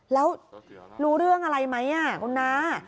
แล้วรู้เรื่องอะไรไหมคุณน้า